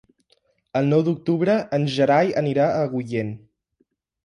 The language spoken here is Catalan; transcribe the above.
El nou d'octubre en Gerai anirà a Agullent.